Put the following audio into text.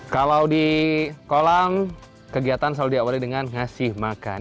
kalau di kolam kegiatan selalu diawali dengan ngasih makan